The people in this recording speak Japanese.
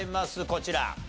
こちら。